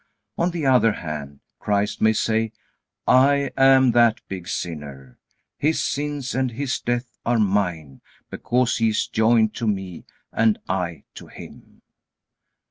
On the other hand, Christ may say: "I am that big sinner. His sins and his death are mine, because he is joined to me, and I to him."